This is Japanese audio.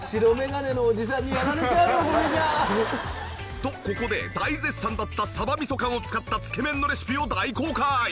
とここで大絶賛だったサバみそ缶を使ったつけ麺のレシピを大公開！